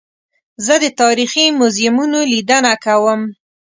زه د تاریخي موزیمونو لیدنه کوم.